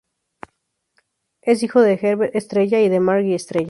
Es hijo de Herb Estrella y de Margie Estrella.